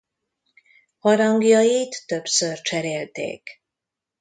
Harangjait többször cserélték.